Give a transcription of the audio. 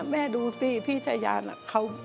แม่ดูสิพี่ชายานเขามา